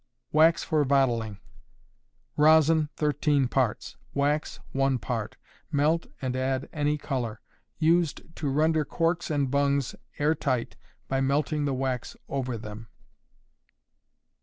Wax for Bottling. Rosin, 13 parts; wax, 1 part; melt and add any color. Used to render corks and bungs air tight by melting the wax over them.